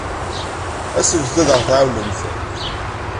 Asemt-d ad aɣ-tɛawnemt.